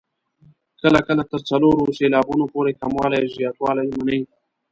کله کله تر څلورو سېلابونو پورې کموالی او زیاتوالی مني.